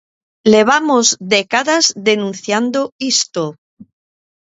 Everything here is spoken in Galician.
Levamos décadas denunciando isto.